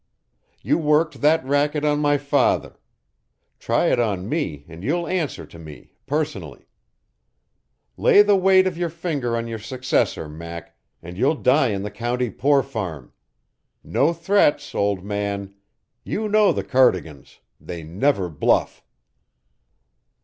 "You worked that racket on my father. Try it on me, and you'll answer to me personally. Lay the weight of your finger on your successor, Mac, and you'll die in the county poor farm. No threats, old man! You know the Cardigans; they never bluff."